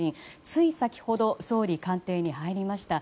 つい先ほど総理官邸に入りました。